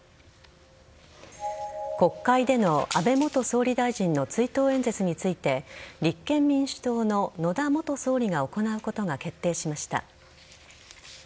国会での安倍元総理大臣の追悼演説について立憲民主党の野田元総理が行うことが決定しました。